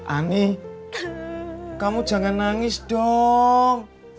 aneh kamu jangan nangis dong